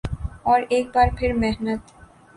اورایک بار پھر محنت